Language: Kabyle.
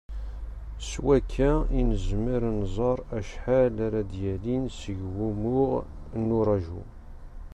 S wakka i nezmer ad nẓer acḥal ara d-yalin seg wumuɣ n uraju.